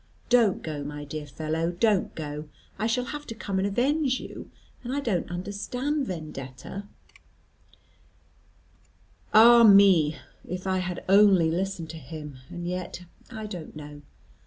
Don't go, my dear fellow, don't go. I shall have to come and avenge you, and I don't understand Vendetta." Ah, me! If I had only listened to him. And yet, I don't know.